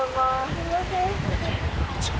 すみません。